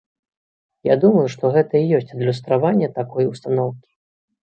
Я думаю, што гэта і ёсць адлюстраванне такой устаноўкі.